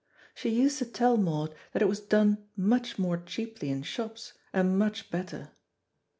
She used to tell Maud that it was done much more cheaply in shops, and much better.